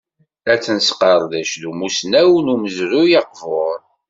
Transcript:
Ad tt-nesqerdec d umusnaw n umezruy aqbur.